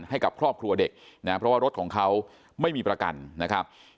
ให้กับครอบครัวเด็กนะเพราะว่ารถของเขาไม่มีประกันนะครับ